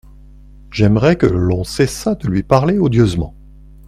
J’aimerais que l’on cessât de lui parler odieusement.